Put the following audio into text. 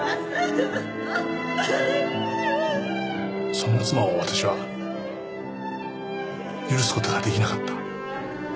そんな妻を私は許す事ができなかった。